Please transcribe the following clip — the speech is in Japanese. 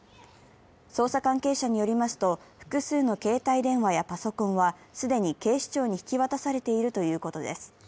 捜査関係者によりますと、複数の携帯電話やパソコンは既に警視庁に引き渡されているということです。